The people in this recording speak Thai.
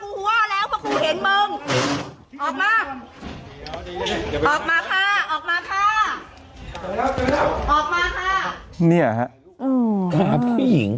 ออกมาค่ะออกมาค่ะเจอแล้วเจอแล้วออกมาค่ะเนี่ยค่ะค่ะผู้หญิง